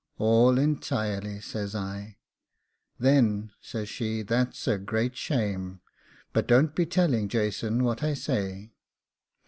'All entirely' says I. 'Then,' says she, 'that's a great shame; but don't be telling Jason what I say.